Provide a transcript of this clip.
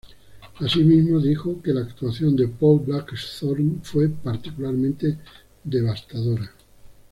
Así mismo, dijo que la actuación de Paul Blackthorne fue "particularmente devastadora".